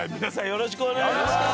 よろしくお願いします。